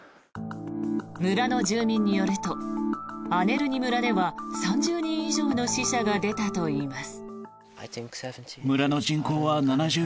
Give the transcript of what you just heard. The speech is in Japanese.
村の住民によるとアネルニ村では３０人以上の死者が出たといいます。